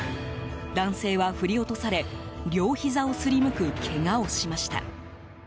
男性は振り落とされ両ひざをすりむくけがをしました。